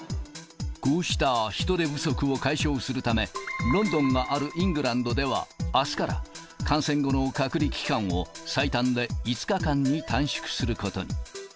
こうした人手不足を解消するため、ロンドンがあるイングランドでは、あすから、感染後の隔離期間を最短で５日間に短縮することに。